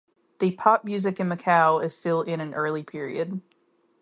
The pop music in Macau is still in an early period.